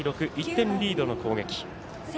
１点リードの攻撃。